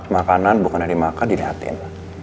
makanan bukan dari makan dilihatin